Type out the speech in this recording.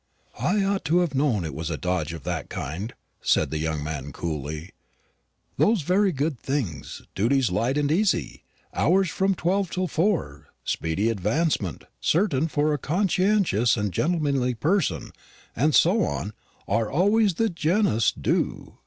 "I ought to have known it was a dodge of that kind," said the young man coolly. "Those very good things duties light and easy, hours from twelve till four, speedy advancement certain for a conscientious and gentlemanly person, and so on are always of the genus do.